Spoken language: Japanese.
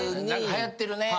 はやってるね。